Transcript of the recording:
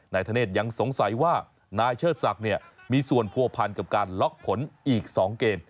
นายธเนธยังสงสัยว่านายเชิดศักดิ์มีส่วนผัวพันกับการล็อกผลอีก๒เกม